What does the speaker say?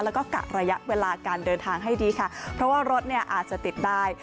แล้วก็กะระยะเวลาการเดินทางให้ดีค่ะเพราะว่ารถเนี่ยอาจจะติดได้